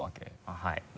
はい。